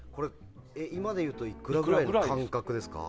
今でいうといくらくらいの感覚ですか？